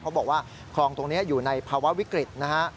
บอกว่าคลองตรงนี้อยู่ในภาวะวิกฤตนะฮะ